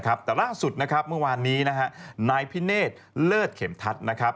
แต่ล่าสุดเมื่อวานนี้นายพิเนศเลิศเข็มทัศน์